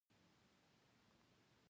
په هغه لیکل شوي وو لون وولف